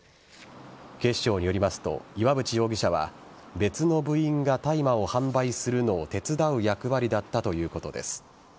警視庁によりますと岩渕容疑者は別の部員が大麻を販売するのを手伝う役割だったということです。